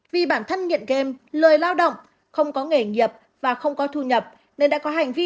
vì bản thân nghiện game lời lao động không có nghề nghiệp và không có thu nhập nên đã có hành vi